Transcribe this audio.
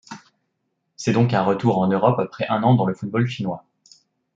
C'est donc un retour en Europe après un an dans le football chinois.